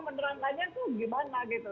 menerangkannya tuh gimana gitu